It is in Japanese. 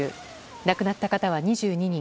亡くなった方は２２人。